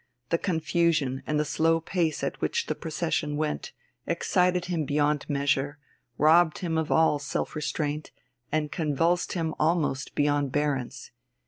The confusion and the slow pace at which the procession went excited him beyond measure, robbed him of all self restraint, and convulsed him almost beyond bearance.